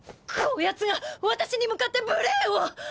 こやつが私に向かって無礼を！